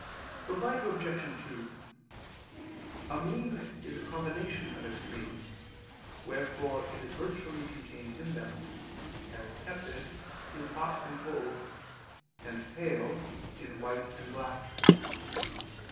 Reply Obj. 2: A mean is a combination of extremes, wherefore it is virtually contained in them, as tepid in hot and cold, and pale in white and black.